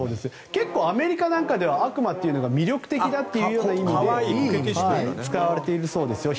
結構、アメリカなんかでは悪魔っていうのが魅力的だという意味で使われているそうですよ。